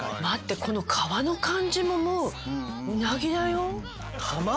待ってこの皮の感じももううなぎだよ。